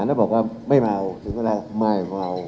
แล้วบอกว่าไม่มาถึงเวลาไม่เมา